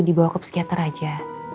dibawa ke psikiater aja